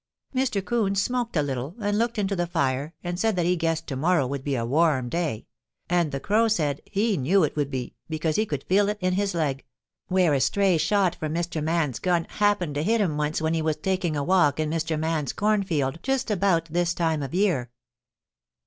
Mr. 'Coon smoked a little and looked into the fire and said that he guessed to morrow would be a warm day, and the Crow said he knew it would be because he could feel it in his leg, where a stray shot from Mr. Man's gun happened to hit him once when he was taking a walk in Mr. Man's cornfield just about this time of year.